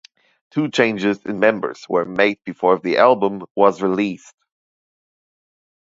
Two changes in members were made before the album was released.